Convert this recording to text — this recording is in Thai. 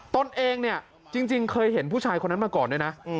ตนเองเนี่ยจริงเคยเห็นผู้ชายคนนั้นมาก่อนด้วยนะ